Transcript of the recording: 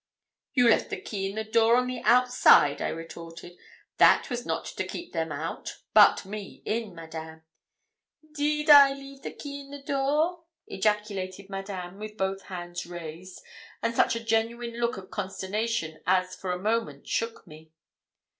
'You left the key in the door on the outside,' I retorted; 'that was not to keep them out, but me in, Madame.' 'Deed I leave the key in the door?' ejaculated Madame, with both hands raised, and such a genuine look of consternation as for a moment shook me.